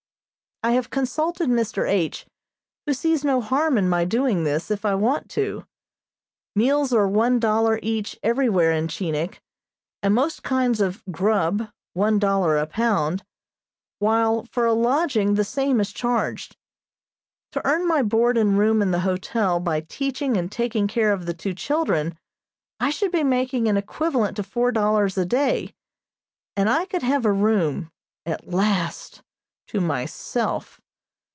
I have consulted Mr. H., who sees no harm in my doing this if I want to. Meals are one dollar each everywhere in Chinik, and most kinds of "grub" one dollar a pound, while for a lodging the same is charged. To earn my board and room in the hotel by teaching and taking care of the two children I should be making an equivalent to four dollars a day, and I could have a room, at last, to myself.